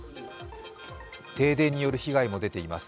停電による被害も出ています。